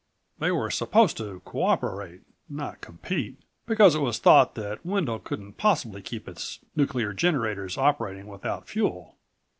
They were supposed to cooperate, not compete, because it was thought that Wendel couldn't possibly keep its nuclear generators operating without fuel.